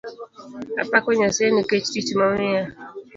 Apako Nyasaye nikech tich momiya